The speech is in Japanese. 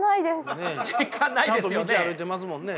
ちゃんと道歩いてますもんね。